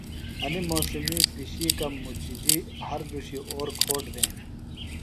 انیۡ موسمی پِشِیکہ مُچِجیۡ ہر دُشی اور کھوٹ بھینیۡ۔